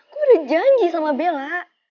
aku udah janji sama bella